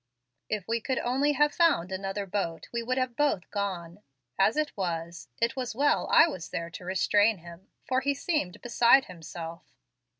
If we could only have found another boat we would have both gone. As it was, it was well I was there to restrain him, for he seemed beside himself."